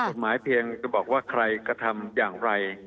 เพียงจะบอกว่าใครกระทำอย่างไร